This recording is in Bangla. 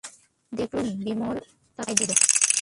দেখলুম বিমলও তাতে সায় দিলে।